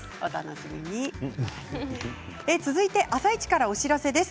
続いて「あさイチ」からお知らせです。